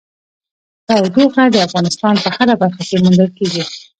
تودوخه د افغانستان په هره برخه کې موندل کېږي.